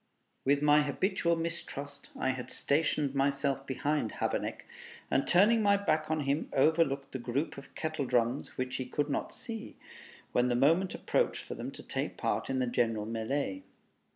With my habitual mistrust, I had stationed myself behind Habeneck, and turning my back on him, overlooked the group of kettle drums, which he could not see, when the moment approached for them to take part in the general melee.